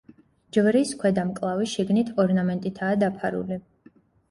ჯვრის ქვედა მკლავი შიგნით ორნამენტითაა დაფარული.